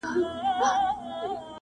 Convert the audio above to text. دا د زړه ورو مورچل مه ورانوی-